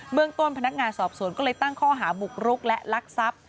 เมืองต้นพนักงานสอบสวนก็เลยตั้งข้อหาบุกรุกและลักทรัพย์